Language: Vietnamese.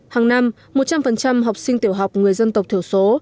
hàng năm một trăm linh học sinh tiểu học người dân tộc thiểu số